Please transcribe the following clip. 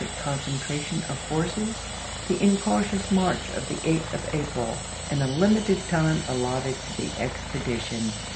fcct Concentration of forces, the incautious march partiL, of the 8th of April, and the limited time allotted to p. 340. ^' the expedition."